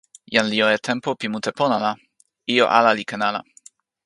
jan li jo e tenpo pi mute pona la, ijo ala li ken ala.